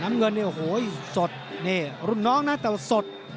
น้ำเงินนี่โอ้โหซศนด์อย่างใหญ่น้องน่ะแต่ว่าสด